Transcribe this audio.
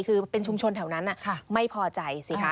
คือเป็นชุมชนแถวนั้นไม่พอใจสิคะ